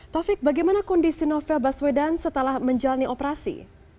taufik bagaimana kondisi novel baswedan setelah menjalani operasi